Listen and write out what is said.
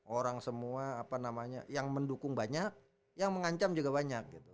orang semua yang mendukung banyak yang mengancam juga banyak